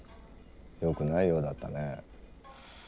よくないようだったね。